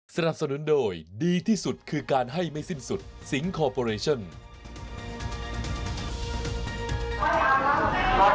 สนับสนุนโดยดีที่สุดคือการให้ไม่สิ้นสุดสิงคอร์ปอเรชั่น